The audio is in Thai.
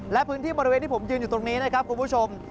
และพื้นที่บริเวณที่ผมยืนอยู่ตรงนี้นะครับคุณผู้ชม